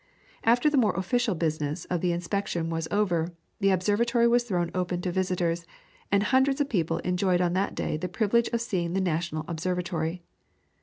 After the more official business of the inspection was over, the observatory was thrown open to visitors, and hundreds of people enjoyed on that day the privilege of seeing the national observatory.